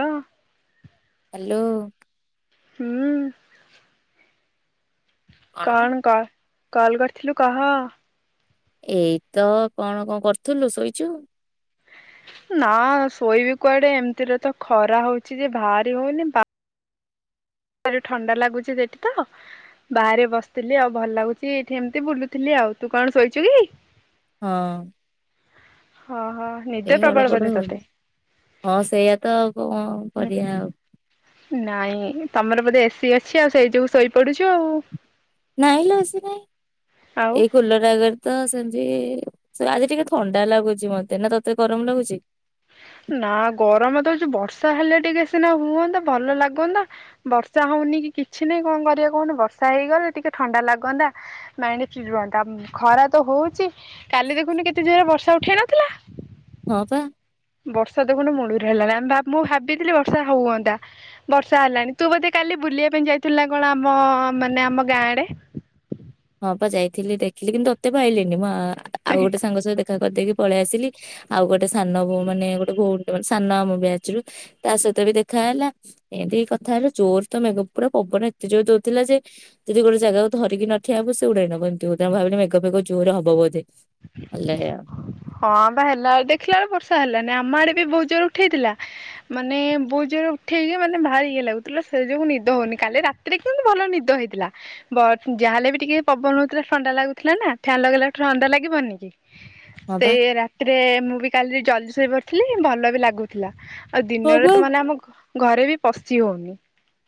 ହଁ। ହ୍ୟାଲୋ। ହୁଁ। କଣ କ, କଲ କରିଥିଲୁ କହ? ଏଇତ କଣ, କଣ କରୁଥିଲୁ ଶୋଇଛୁ? ନା, ଶୋଇବି କୁଆଡେ? ଏମିତିରେ ତ ଖରା ହଉଛି ଯେ ବାହାରି ହଉନି, ପାଗ ଭାରି ଥଣ୍ଡା ଲାଗୁଛି ସେଠି ତ ବାହାରେ ବସିଥିଲି, ଆଉ ଭଲ ଲାଗୁଛି। ଏଇଠି ଏମିତି ବୁଲୁଥିଲି। ଆଉ ତୁ କଣ ଶୋଇଛୁ କି? ହଁ-ଅ-ଅ। ହଁ, ହଁ, ନିଦ ଗଡ ପ୍ରବଳ ପଡ ବୋଧେ ହଉଚି ତତେ? ହଁ, ସେଇଆ ତ, ଆଉ କଣ କରିବା ଆଉ। ନାଇଁ, ତମର ବୋଧେ ଏସି ଅଛି, ଆଉ ସେଇ ଯୋଗୁ ଶୋଇପଡୁଛୁ ଆଉ। ନାଇଁ, ଲୋ ଏସି ନାହିଁ। ଆଉ ଏଇ କୁଲର ଆଗରେ। ତ ସେମତି ଆଜି ଟିକେ ଥଣ୍ଡା ଲାଗୁଛି ମତେ, ନା ତତେ ଗରମ ଲାଗୁଛି? ନା, ଗରମ ତ ହଉଛି, ବର୍ଷା ହେଲେ ଟିକେ ସିନା ହୁଅନ୍ତା, ଭଲ ଲାଗନ୍ତା। ବର୍ଷା ହଉନି କି, କିଛି ନାଇଁ, କଣ କରିବା କହୁନୁ? ବର୍ଷା ହେଇଗଲେ ଟିକେ ଥଣ୍ଡା ଲାଗନ୍ତା। ମାଇଣ୍ଡ ଫ୍ରି ରୁହନ୍ତା। ଖରା ତ ହଉଛି। କାଲି ଦେଖୁନୁ, କେତେ ଜୋରରେ ବର୍ଷା ଉଠେଇ ନଥିଲା। ହଁ, ବା। ବର୍ଷା ଦେଖୁନୁ ମୁଳୁରୁ ହେଲାନି, ଆମ ଭା ମୁଁ ଭାବିଥିଲି ବର୍ଷା ହୁଅନ୍ତା। ବର୍ଷା ହେଲାନି, ତୁ ବୋଧେ କାଲି ବୁଲିବା ପାଇଁ ଯାଇଥିଲୁ ନା କଣ, ଆମ-ଅ ମାନେ ଆମ ଗାଁ ଆଡେ? ହଁ, ବା ଯାଇଥିଲି। ଦେଖିଲି, କିନ୍ତୁ ତତେ ପାଇଲିନି। ମୁଁ ଆଁ, ଆଉ ଗୋଟେ ସାଙ୍ଗ ସହିତ କା କରିଦେଇକି ପଳେଇଆସିଲି ଆଉ ଗୋଟେ ସାନ ବୋଉ ମାନେ ଗୋଟେ ଭଉଣୀଟେ ମାନେ ସାନ ଆମ ବ୍ୟାଚରୁ ତା ସହିତ ବି ଦେଖା ହେଲା। ଏନ୍ତି କଥା ହେଲୁ ଜୋର ତ ମେଘ ପୁରା ପବନ ଏତେ ଜୋର ଦଉଥିଲା ଯେ ଯଦି ଗୋଟେ ଜାଗାକୁ ଧରିକି ନ ଠିଆ ହବୁ ସେ ଉଡେଇ ନବ ଏମତି ବୋଧେ ମୁଁ ଭାବିଲି ମେଘ ଫେଘ ଜୋରେ ହବ ବୋଧେ ହେଲେ ହଁ ବା ହେଲା ଦେଖିଲା ବେଳୁକୁ ବର୍ଷା ହେଲାନି ଆମ ଆଡେ ବି ବୋହୁ ଜୋର ଉଠେଇଥିଲା। ମାନେ ବୋହୁ ଜୋର ଉଠେଇକି ମାନେ ଭାରି ଇଏ ଲାଗୁଥୁଲା ସେଇ ଯୋଗୁ ନିଦ ହଉନି କାଲି ରା ତିରେ କିନ୍ତୁ ଭଲ ନିଦ ହେଇଥିଲା। ବଟ୍ ଉଁ ଯାହା ହେଲେ ବି ଟିକିଏ ପବନ ହଉଥିଲା ଥଣ୍ଡା ଲାଗୁଥିଲା ନା ଫ୍ୟାନ୍ ଲଗେଇଲେ ଥଣ୍ଡା ଲାଗିବନି କି? ହଁ ପା। ସେଇ ରାତିରେ ମୁଁ ବି କାଲି ଜଲ୍ଦି ଶୋଇପଡିଥିଲି ଭଲ ବି ଲାଗୁ ଥିଲା ଆଉ ହଁ ପା। ଦିନରେ ତ ମାନେ ଆମ ଘ ଘରେ ବି ପଶି ହଉନି।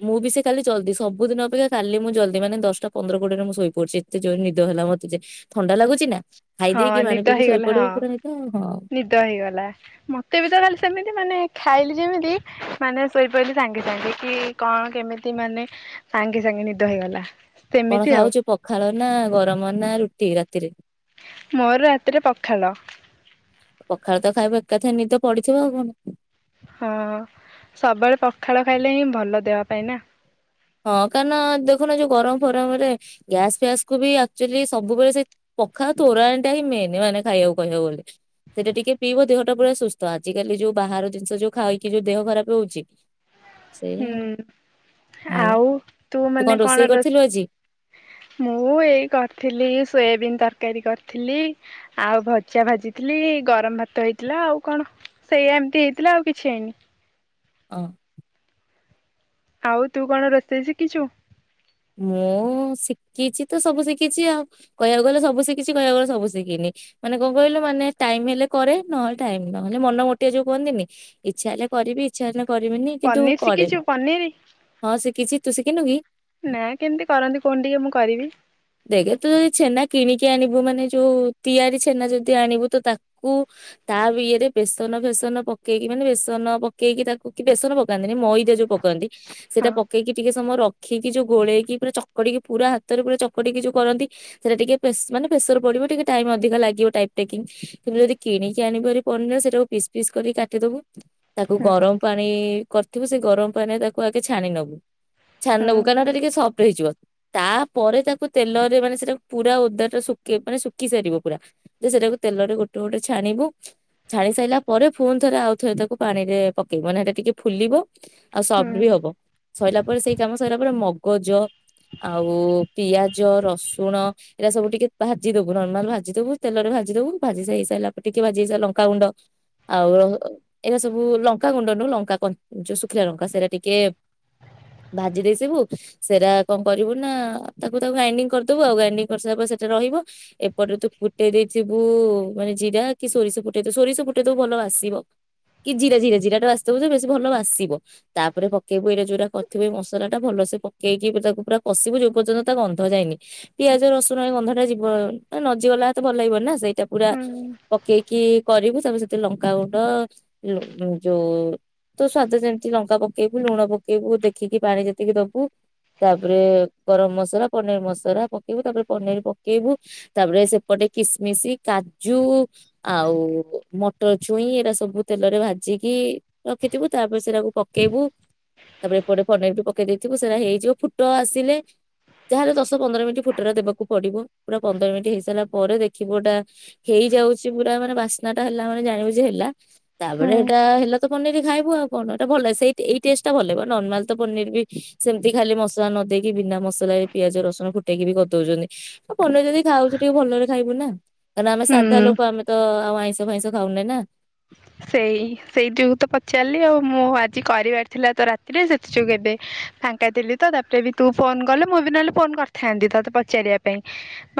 ମୁଁ ବି ସେ କାଲି ଜଲ୍ଦି ସବୁଦିନ ଅପେକ୍ଷା କାଲି ମୁଁ ଜଲ୍ଦି ମାନେ ଦଶଟା ପନ୍ଦର କୋଡିରେ ମୁଁ ଶୋଇପଡିଚି ଏତେ ଜୋର ନିଦ ହେଲା ମତେ ଯେ ଥଣ୍ଡା ଲାଗୁଚି ନା ଖାଇ ହଁ ଦେଇକି ପାଣି ପିଇକି ଶୋଇପଡିବ ପୁରା ନିଦ ଆଉ କଁ। ଟା ହେଇଗଲା। ମତେ ବି ତ କାଲି ସେମିତି ମାନେ ଖାଇଲି ଯେମିତି ମାନେ ଶୋଇପଇଲି ସାଙ୍ଗେ ସାଙ୍ଗେ କି କଣ କେମିତି ମାନେ ସାଙ୍ଗେ ସାଙ୍ଗେ ନିଦ ହେଇଗଲା। କଣ ସେମିତି ଆଉ ଖାଉଚୁ ପଖାଳ ନା ଗରମ ନା ରୁଟି ରାତିରେ? ମୋର ରାତିରେ ପଖାଳ। ପଖାଳ ତ ଖାଇବ ଏକାଥେରେ ନିଦ ପଡିଥିବ ଆଉ କଣ। ହଁ ସବେଳେ ପଖାଳ ଖାଇଲେ ହିଁ ଭଲ ଦେହ ପାଇଁ ନା। ହଁ କାରଣ ଦେଖୁନୁ ଏ ଯୋଉ ଗରମ ଫରମରେ ଗ୍ୟାସ୍ ଫ୍ୟାସକୁ ବି ଆକ୍ଚୁଏଲି ସବୁବେଳେ ସେଇ ପଖାଳ ତୋରାଣିଟା ହିଁ ମେନେ ମାନେ ଖାଇଆକୁ କହିବାକୁ ଗଲେ। ସେଇଟା ଟିକେ ପିଇବ ଦେହଟା ପୁରା ସୁସ୍ତ ଆଜିକାଲି ଯୋଉ ବାହାର ଜିନଷ ଯୋଉ ଖାଇକି ଯୋଉ ଦେହ ଖରାପ ହଉଛି। ସେଇଆ ହୁଁ ଆଉ ତୁ ମାନେ ରୋଷେଇ କଣ ରୋ କରିଥିଲୁ ଆଜି? ମୁଁ ଏଇ କରଥିଲି ସୋୟାବିିନ୍ ତରକାରୀ କରଥିଲି। ଆଉ ଭଜା ଭାଜିଥିଲି ଗରମ ଭାତ ହେଇଥିଲା ଆଉ କଣ। ସେଇଆ ଏମତି ହେଇଥିଲା ଆଉ କିଛି ହେଇନି। ଅଁ ଆଉ ତୁ କଣ ରୋଷେଇ ଶିକିଚୁ? ମୁଁ ଶିକିଚି ତ ସବୁ ଶିକିଚି ଆଉ କହିଆକୁ ଗଲେ ସବୁ ଶିକିଚି କହିଆକୁ ଗଲେ ସବୁ ଶିକିନି। ମାନେ କଁ କହିଲୁ ମାନେ ଟାଇମ୍ ହେଲେ କରେ ନହେଲେ ଟାଇମ୍ ନହେଲେ ମନ ମୋଟିଆ ଯୋଉ କୁହନ୍ତିନି ଇଚ୍ଛା ହେଲେ କରିବି ଇଚ୍ଛା ହେନେ କରିବିନି କିନ୍ତୁ ପନିର କରେ ଶିଖିଛୁ ପନିର? ହଁ ଶିକିଚି ତୁ ଶିକିନୁ କି? ନା କେମତି କରନ୍ତି କହୁନୁ ଟିକେ ମୁଁ କରିବି। ଦେଖେ ତୁ ଯଦି ଛେନା କିଣିକି ଆଣିବୁ ମାନେ ଯୋଉ ତିଆରି ଛେନା ଯଦି ଆଣିବୁ ତ ତାକୁ ତା ବି ଇଏରେ ବେସନ ଫେସନ ପକେଇକି ମାନେ ବେସନ ପକେଇକି ତାକୁ କି ବେସନ ପକାନ୍ତିନି ମଇଦା ଯୋଉ ପ କାନ୍ତି ସେଟା ହଁ ପକେଇକି ଟିକେ ସମୟ ରଖିକି ଯୋଉ ଗୋଳେଇକି ପୁରା ଚକଡିକି ପୁରା ହାତରେ ପୁରା ଚ କଡିକି ଯୋଉ କରନ୍ତି ସେଇଟା ଟିକେ ପେସ୍ ମାନେ ପ୍ରେସର ପଡିବ ଟିକେ ଟାଇମ୍ ଅଧିକ ଲାଗିବ ଟାଇପ୍ ଟେକିଂ କିନ୍ତୁ ଯଦି କିଣିକି ଆଣିବ ହାରି ପନିର୍ ସେଇଟାକୁ ପିସ୍ ପିସ୍ କରିକି କାଟିଦବୁ। ତାକୁ ହୁଁ ଗରମ ପାଣି କରିଥିବୁ ସେ ଗରମ ପାଣିରେ ତାକୁ ଆଗେ ଛାଣି ନବୁ। ଛାଣି ହୁଁ ନବୁ କାହିଁ ନା ହୁଁ ସେଟା ଟିକେ ସଫ୍ଟ ହେଇଯିବ ତାପରେ ତା କୁ ତେଲରେ ମାନେ ସେଟା ପୁରା ଓଦାଟା ଶୁକି ମାନେ ଶୁକି ସାରିବ ପୁରା ଯେ ସେଟାକୁ ତେଲରେ ଗୋଟେ ଗୋଟେ ଛାଣିବୁ। ଛାଣି ସାଇଲା ପରେ ଫୁଣି ଥରେ ଆଉ ଥେରେ ତାକୁ ପାଣିରେ ପକେଇବୁ ମାନେ ହେଟା ଟିକେ ଫୁଲିବ। ଆଉ ହୁଁ ସଫ୍ଟ ବି ହବ ସଇଲା ପରେ ସେଇ କାମ ସଇଲା ପରେ ମଗଜ ଆଉ- ପିଆଜ ରସୁଣ ଏଇଟା ସବୁ ଟିକେ ଭାଜି ଦବୁ, ନର୍ମାଲ ଭାଜି ଦବୁ, ତେଲରେ ଭାଜି ଦବୁ। ଭାଜି ସାଇ ସାରିଲା ପରେ ଟିକେ ଭାଜିହେଇ ସାରିଲା ଲଙ୍କାଗୁଣ୍ଡ ଆଉ [unintelligible] ଏଇଟା ସବୁ ଲଙ୍କା ଗୁଣ୍ଡନୁ, ଲଙ୍କା କ, ଯୋଉ ଶୁଖିଲା ଲଙ୍କା ସେଇଟା ଟିକେ ଭାଜି ଦେଇସିବୁ, ସେଟା କଣ କରିବୁ ନା ତାକୁ, ତାକୁ ଗ୍ରାଇଣ୍ଡିଙ୍ଗ୍ କରିଦଵୁ ଆଉ ଗ୍ରାଇଣ୍ଡିଙ୍ଗ୍ କରିସାରା ପରେ ସେଟା ରହିବ। ଏପଟରେ ତୁ ଫୁଟେଇ ଦେଇଥିବୁ, ମାନେ ଜିରା କି ସୋରିଷ ଫୁଟେଇବୁ, ସୋରିଷ ଫୁଟେଇ ଦବୁ, ଭଲ ବାସିବ। କି ଜିରା, ଜିରା, ଜିରାଟା ଆସିିଥିବ ଯେ ବେଶୀ ଭଲ ବାସିବ। ତାପରେ ପକେଇବୁ, ଏଇଟା ଯୋଉଟା କରିଥିବ, ଏ ମସଲା ଟା ଭଲ ସେ ପକେଇକି ତାକୁ ପୁରା କଶିବୁ, ଯୋଉ ପର୍ଯ୍ୟନ୍ତ ତା ଗନ୍ଧ ଯାଇନି, ପିଆଜ, ରସୁଣ ଏ ଗନ୍ଧ ଟା ଯିବ, ନଯି ଗଲା ତ ଭଲ ଲାଗିବନି ନା, ସେଇଟା ପୁରା ହୁଁ ପକେଇକି କରିବୁ, ତାପରେ ସେଥିରେ ଲଙ୍କାଗୁଣ୍ଡ ଯୋଉ ତୁ ସ୍ଵାଦ ଯେମିତି ଲଙ୍କା ପକେଇବୁ, ଲୁଣ ପକେଇବୁ, ଦେଖିକି ପାଣି ଯେତିକି ଦବୁ। ତାପରେ ଗରମ ମସଲା, ପନିର ମସଲା ପକେଇବୁ, ତାପରେ ପନିର ପକେଇବୁ। ତାପରେ ସେପଟେ କିସମିଶ, କାଜୁ ଆଉ ମଟର ଛୁଇଁ, ଏଇଟା ସବୁ ତେଲରେ ଭାଜିକି ରଖିଥିବୁ, ତାପରେ ସେଟାକୁ ପକେଇବୁ। ତାପରେ ଏପଟେ ପନିର କୁ ପକେଇ ଦେଇଥିବୁ, ସେଇଟା ହେଇଯିବ, ଫୁଟ ଆସିଲେ ଯାହାହେଲେ ଦଶ ପନ୍ଦର ମିନିଟ୍ ଫୁଟରେ ଦେବାକୁ ପଡିବ। ପୁରା ପନ୍ଦର ମିନିଟ୍ ହେଇସାରିଲା ପରେ ଦେଖିଵୁ, ଏଇଟା ହେଇଯାଉଛି ପୁରା, ମାନେ ବାସ୍ନା ଟା ହେଲା ମାନେ ଜାଣିବୁ ଯେ ହେଲା। ତାପରେ ହୁଁ ହେଟା ହେଲା ତ ପନିର ଖାଇବୁ ଆଉ। ପନିର ଟା ଭଲ ଲାଗି, ସେଇ ଏଇ ଟେଷ୍ଟ ଟା ଭଲ ଲାଗିବ। ନର୍ମାଲ ତ ପନିର ବି ସେମିତି, ଖାଲି ମସଲା ନ ଦେଇକି, ବିନା ମସଲା ପତରେ ପିଆଜ, ରସୁଣ ଫୁଟେଇ କି ବି କରିଦଉଛନ୍ତି। ପନିର ଯଦି ଖାଉଛୁ, ଟିକେ ଭଲରେ ଖାଇବୁ ନା। କାରଣ ଆମେ ସାଧା ହୁଁ ଲୋକ, ଆମେ ତ ଆଉ ଆଇଁଷ-ଫାଇଁଷ ଖାଉନେ ନା। ସେଇ, ସେଇ ଯୋଗୁ ତ ପଚାରିଲି ଆଉ। ମୁଁ ଆଜି କରିବାର ଥିଲା ତ ରାତିରେ, ସେଥି ଯୋଗୁ ଏବେ ଫାଙ୍କା ଥିଲି ତ, ତାପରେ ବି ତୁ ଫୋନ୍ କଲୁ। ମୁଁ ବି ନହେଲେ ଫୋନ୍ କରିଥାନ୍ତି, ତୋତେ ପଚାରିବା ପାଇଁ।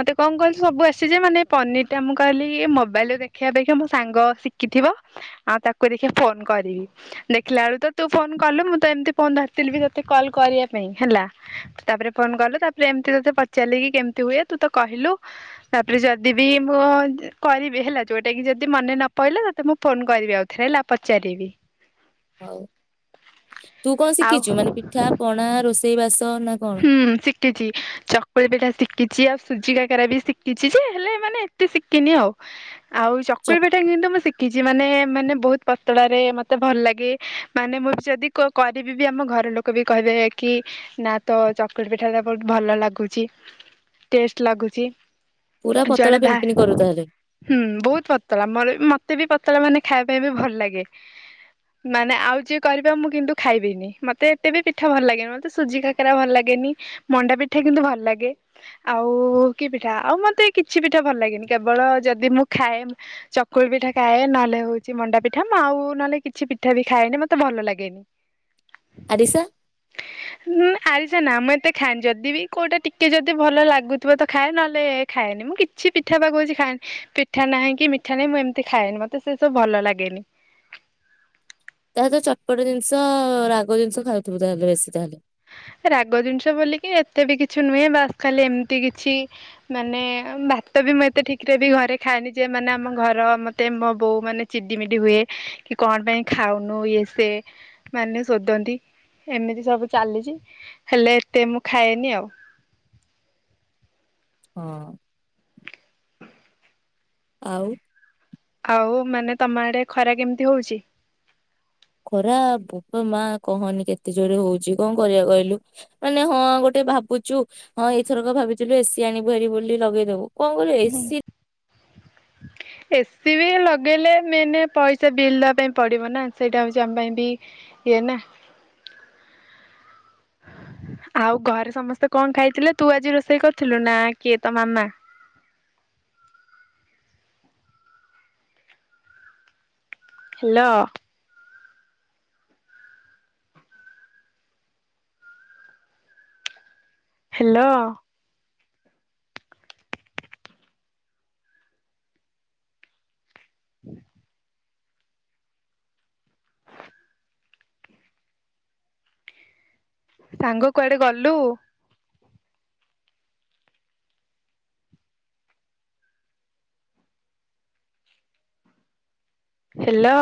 ମତେ କଣ କହିଲ, ସବୁ ଆସେ ଯେ ମାନେ ପନିରଟା, ମୁଁ କହିଲି, ମୋବାଇଲରେ ଦେଖିବା ଅପେକ୍ଷା ମୋ ସାଙ୍ଗ ଶିଖିଥିବ। ଆଉ ତାକୁ ଦେଖିଆ ଫୋନ୍‌ କରିବି। ଦେଖିଲାଳୁ ତୁ ଫୋନ୍‌ କଲୁ, ମୁଁ ତ ଏମିତି ଫୋନ୍‌ ଧରିଥିଲି ବି ତତେ କଲ୍ କରିବା ପାଇଁ ହେଲା। ତାପରେ ଫୋନ କଲୁ, ତାପରେ ଏମିତି ତତେ ପଚାରିଲି କି କେମିତି ହୁଏ, ତୁ ତ କହିଲୁ। ତାପରେ ଯଦି ବିି ମୁଁ କରିବି, ହେଲା, ଯୋଉଟା କି ଯଦି ମନେ ନ ପଇଲା, ତତେ ମୁଁ ଫୋନ୍‌ କରିବି ଆଉଥରେ, ହେଲା, ପଚାରିବି। ହଉ, ତୁ କଣ ଆଉ ଶିଖିଛୁ? ମାନେ ପିଠା ପଣା, ରୋଷେଇ ବାସ ନା କଣ? ହୁଁ, ଶିଖିଛିି। ଚକୁଳି ପିଠା ଶିଖିଛି, ଆଉ ସୁଜି କାକରା ବି ଶିଖିଛି ଯେ, ହେଲେ ମାନେ ଏତେ ଶିଖିନି ଆଉ। ଆଉ ଚ ଚକୁଳି ପିଠା କିନ୍ତୁ ମୁଁ ଶିଖିଛି, ମାନେ, ମାନେ ବହୁତ ପତଳାରେ ମୋତେ ଭଲ ଲାଗେ, ମାନେ ମୁଁ ବି ଯଦି କରିବି ବି, ଆମ ଘର ଲୋକ ବି କହିବେ କି ନା, ତୋ ଚକୁଳି ପିଠାଟା ବହୁତ ଭଲ ଲାଗୁଛି, ଟେଷ୍ଟ ଲାଗୁଛି। ପୁରା ପତଳା ଜଣେ ପିନ୍ ଭା ପିନ୍ କରୁ ତାହେଲେ ହୁଁ, ବହୁତ ପତଳା। ମୋର ମତେ ବି ପତଳା ମାନେ ଖାଇବା ପାଇଁ ବି ଭଲ ଲାଗେ। ମାନେ, ଆଉ ଯିଏ କରିଵେ, ମୁଁ କିନ୍ତୁ ଖାଇବିନି। ମତେ ଏତେ ବି ପିଠା ଭଲ ଲାଗେନି। ମତେ ସୁଜି କା ଭଲ ଲାଗେନି, ମଣ୍ଡା ପିଠା କିନ୍ତୁ ଭଲ ଲାଗେ। ଆଉ କି ପିଠା? ଆଉ ମତେ କିଛି ପିଠା ଭଲ ଲାଗେନି, କେବଳ ଯଦି ମୁଁ ଖାଏ ଚକୁଳି ପିଠା ଖାଏ, ନହେଲେ ହଉଛି ମଣ୍ଡା ପିଠା। ମୁଁ ଆଉ ନହେଲେ କିଛି ପିଠା ବି ଖାଏନି। ମତେ ଭଲ ଲାଗେନି। ଆରିସା। ନାଁ। ଆରିସା ନା, ମୁଁ ଏତେ ଖାଏନି। ଯଦି ବିି କଉଟା ଟିକେ ଯଦି ଭଲ ଲାଗୁଥିବ, ତ ଖାଏ, ନହେଲେ ଖାଏନି। ମୁଁ କିଛି କିଛି ପିଠା ବା କଉଛି [unintelligible] ପିଠା ନାହିଁ କି ମିଠା ନାହିଁ ମୁଁ ଏମିତି ଖାଏନି, ମତେ ସେ ସବୁ ଭଲ ଲାଗେନି। ତାହାଲେ ଚଟପଟ ଜିନିଷ ରାଗ ଜିନିଷ ଖାଉଥିବୁ ତାହେଲେ ବେଶୀ ତାହେଲେ? ରାଗ ଜିନିଷ ବୋଲିକି ଏତେ ବି କିଛି ନୁହେଁ ବାସ୍ ଖାଲି ଏମିତି କିଛି ମାନେ ଭାତ ବି ମୁଁ ଏତେ ଠିକ ରେ ବି ଘରେ ଖାଏନି, ଯେ ମାନେ ଆମ ଘର ମତେ ମୋ ବୋଉ ମାନେ ଚିଡିମିଡ଼ି ହୁଏ, କି କଣ ପାଇଁ ଖାଉନୁ ଇଏ ସେ। ମାନେ ଶୋଧନ୍ତି, ଏମିତି ସବୁ ଚାଲିଛି। ହେଲେ ଏତେ ମୁଁ ଖାଏନି ଆଉ। ହଁ। ଆଉ? ଆଉ ମାନେ ତମ ଆଡେ ଖରା କେମିତି ହଉଛି? ଖରା ବୋପା ମା କହନି କେତେ ଜୋରେ ହଉଛି କଣ କରିବା କହିଲୁ? ମାନେ ହଁ ଗୋଟେ ଭାବୁଛୁ, ହଁ ଏଇଥରକ ଭାବିଥିଲୁ ଏସିି ଆଣିବୁ [unintelligible] ବୋଲି ଲଗେଇଦବୁ। [unintelligible] ଏସି ଏସିି ବି ଲଗେଇଲେ ମାନେ ପଇସା ବିଲ୍ ଦବା ପାଇଁ ପଡିବ ନା, ସେଇଟା ହଉଛି ଆମ ପାଇଁ ବି ହୁଏ ନା। ଆଉ ଘରେ ସମସ୍ତେ କଣ ଖାଇଥିଲେ ତୁ ଆଜି ରୋଷେଇ କରିଥିଲୁ? ନା କିଏ ତ ମାମା? ହ୍ୟାଲୋ? ହ୍ୟାଲୋ? [inaudible] ସାଙ୍ଗ କୁଆଡେ ଗଲୁ? ହ୍ୟାଲୋ?